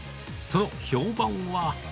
その評判は。